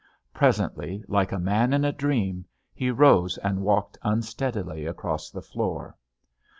Presently, like a man in a dream, he rose and walked unsteadily across the floor.